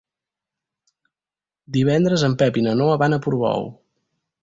Divendres en Pep i na Noa van a Portbou.